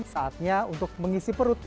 saatnya untuk mengisi perut